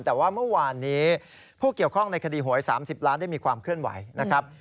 แต่ว่าเมื่อวานนี้ผู้เกี่ยวข้องในคดีหวย๓๐ล้านได้มีความเคลื่อนไหวนะครับ